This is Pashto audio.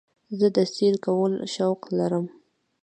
زه د سیل کولو شوق لرم.